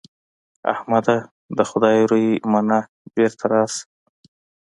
احمده! د خدای روی منه؛ بېرته راشه.